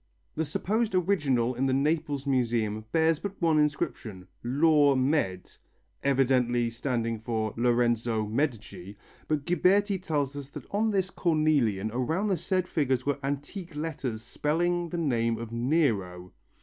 The supposed original in the Naples Museum bears but one inscription, "LAVR MED.," evidently standing for Lorenzo Medici, but Ghiberti tells us that on this cornelian "around the said figures were antique letters spelling the name of Nero."